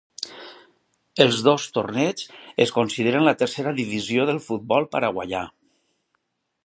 Els dos torneigs es consideren la tercera divisió del futbol paraguaià.